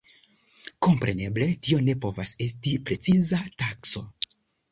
Kompreneble tio ne povas esti preciza takso.